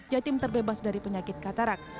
jatim terbebas dari penyakit katarak